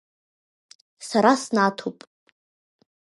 Сара снаҭуп.